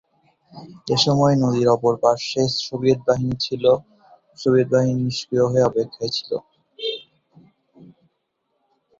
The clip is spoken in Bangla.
এসময় নদীর অপর পার্শ্বে সোভিয়েত বাহিনী নিষ্ক্রীয় হয়ে অপেক্ষায় ছিল।